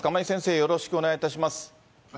よろしくお願いします。